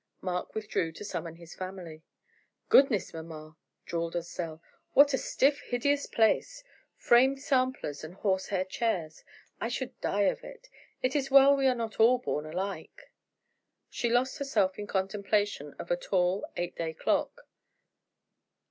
Mark withdrew to summon his family. "Goodness, mamma!" drawled Estelle, "what a stiff, hideous place; framed samplers and horsehair chairs. I should die of it. It is well we are not all born alike." She lost herself in contemplation of a tall, eight day clock.